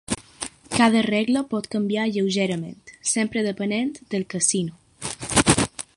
Cada regla pot canviar lleugerament, sempre depenent del casino.